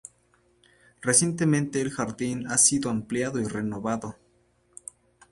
Recientemente, el jardín ha sido ampliado y renovado.